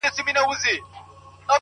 دا حلال به لا تر څو پر موږ حرام وي,